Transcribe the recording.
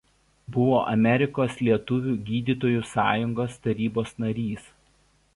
Buvo Amerikos lietuvių gydytojų sąjungos tarybos narys.